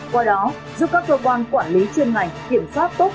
qua đó giúp các cơ quan quản lý chuyên ngành kiểm soát tốt